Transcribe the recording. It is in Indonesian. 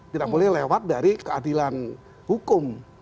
tidak boleh lewat dari keadilan hukum